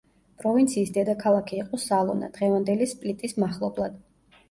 პროვინციის დედაქალაქი იყო სალონა, დღევანდელი სპლიტის მახლობლად.